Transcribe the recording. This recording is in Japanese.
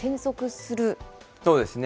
そうですね。